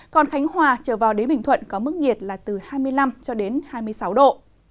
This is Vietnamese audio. còn khánh hòa trở vào đến bình thuận có mức nhiệt là từ hai mươi năm cho đến hai mươi sáu độ